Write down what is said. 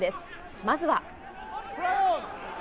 まずは。